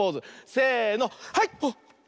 せのはい！